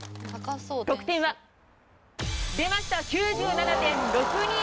得点は。出ました！９７．６２６点。